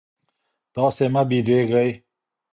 تاسي مه بېدېږئ.